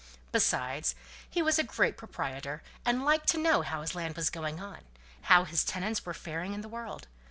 Besides, he was a great proprietor, and liked to know how his land was going on; how his tenants were faring in the world.